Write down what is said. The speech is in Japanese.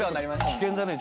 危険だね